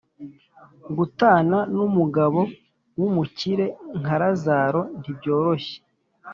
Gutana n’Umugabo w’umukire nka Lazaro ntibyoroshye